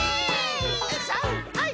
さんはい！